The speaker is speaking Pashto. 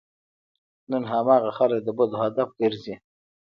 نن هماغه خلک د بدو هدف ګرځي.